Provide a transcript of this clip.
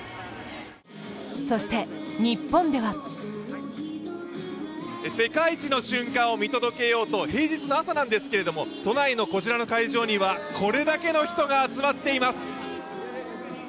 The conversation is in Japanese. そして日本では世界一の瞬間を見届けようと平日の朝なんですけれども都内のこちらの会場にはこれだけの人が集まっています。